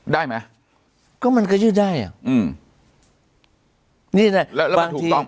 ได้ไหมก็มันก็ยืดได้อ่ะอืมนี่แหละแล้วแล้วมันถูกต้อง